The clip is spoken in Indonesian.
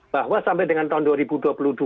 bahwa sampai dengan tahun dua ribu dua puluh dua